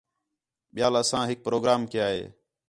ٻِیال اساں ہِک پروگرام کَیا ہِے